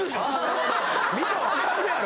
見たらわかるやろ！